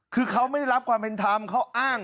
คือเขาไม่ได้รับความเป็นธรรมเขาอ้าง